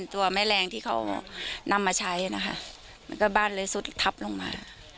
ตัวแม่แรงที่เขานำมาใช้นะคะมันก็บ้านเลยสุดทับลงมา